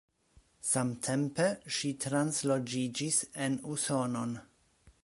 Samtempe ŝi transloĝiĝis en Usonon.